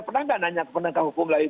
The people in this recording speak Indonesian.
pernah nggak nanya ke penegak hukum lain